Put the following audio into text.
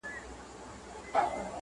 چې کله نیکه ماشوم ته بکسه راوړي